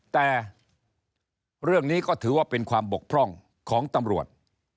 แต่เรื่องนี้ก็ถือว่าเป็นความบกพร่องของตำรวจ